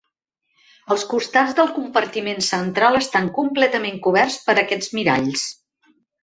Els costats del compartiment central estan completament coberts per aquests miralls.